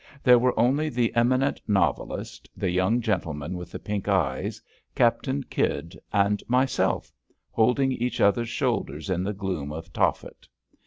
There were only the eminent novelist, the young gentleman with the pink eyes. Captain Kydd and myself, holding each other's shoulders in the gloom of Tophet.